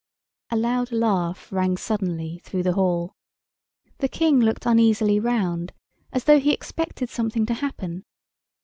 A loud laugh rang suddenly through the hall. The King looked uneasily round, as though he expected something to happen.